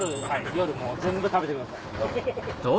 夜もう全部食べてください。